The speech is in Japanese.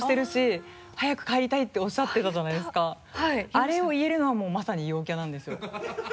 あれを言えるのはもうまさに陽キャなんですよ。